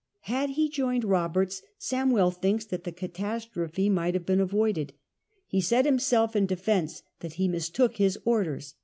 Had he joined Roberts, Samwell thinks that the catastrophe might have been avoided. He said himself, in defence, that he mis took his orders.